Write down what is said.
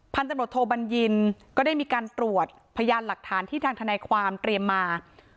ตำรวจโทบัญญินก็ได้มีการตรวจพยานหลักฐานที่ทางทนายความเตรียมมา